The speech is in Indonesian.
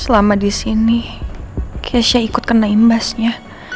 selama disini kesya ikut kena imbasnya